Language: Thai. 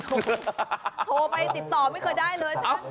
โทรไปติดต่อไม่เคยได้เลยจ้ะ